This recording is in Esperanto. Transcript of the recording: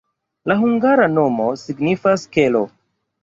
La hungara nomo signifas: kelo.